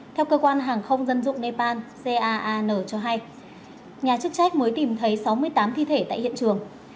theo cơ quan hàng không dân dụng nepal cang cho hay nhà chức trách mới tìm thấy sáu mươi tám thi thể tại hiện trường